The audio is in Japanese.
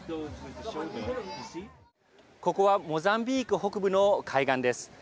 ここはモザンビーク北部の海岸です。